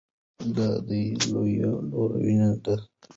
دا د ده لویه لورینه ده.